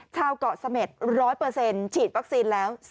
ชาวกเกาะสเม็ด๑๐๐ฉีดคำการปลอบคีย์แล้ว